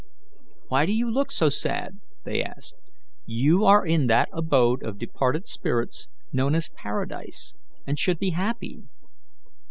"Why do you look so sad?" they asked. "You are in that abode of departed spirits known as paradise, and should be happy."